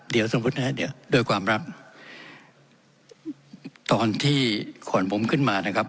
เดี๋ยวสำพุทธนะครับเดี๋ยวโดยความรับตอนที่ขวนผมขึ้นมานะครับ